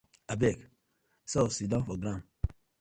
Abeg so sidon for ground.